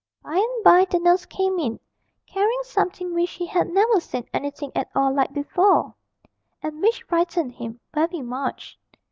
By and by the nurse came in, carrying something which he had never seen anything at all like before, and which frightened him very much.